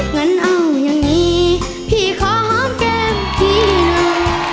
งั้นเอายังงี้พี่ขอเก็บพี่น้อง